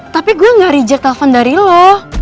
tapi gue gak reject telepon dari lo